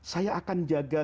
saya akan jaga